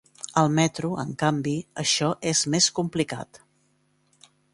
Al metro, en canvi, això és més complicat.